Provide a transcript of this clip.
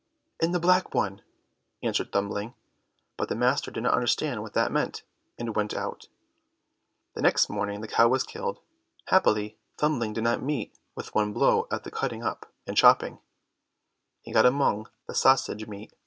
"In the black one," answered Thumbling, but the master did not understand what that meant, and went out. Next morning the cow was killed. Happily Thumbling did not meet with one blow at the cutting up and chopping; he got among the sausage meat.